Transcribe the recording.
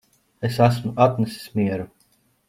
Es esmu atnesis mieru